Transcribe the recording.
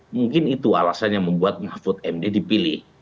mungkin itu alasannya membuat mahfud md dipilih